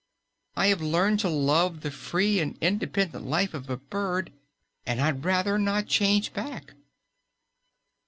I have learned to love the free and independent life of a bird, and I'd rather not change back."